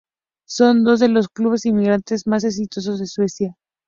Son dos de los 'clubes inmigrantes' más exitosos de Suecia.